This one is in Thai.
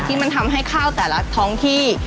ที่มันทำให้ข้าวแต่ละท้องที่